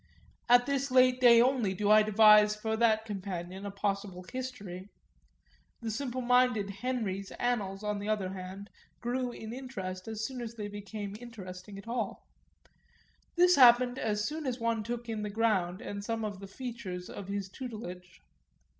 At this late day only do I devise for that companion a possible history; the simple minded Henry's annals on the other hand grew in interest as soon as they became interesting at all. This happened as soon as one took in the ground and some of the features of his tutelage.